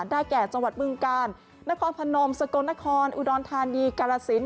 แก่จังหวัดบึงกาลนครพนมสกลนครอุดรธานีกาลสิน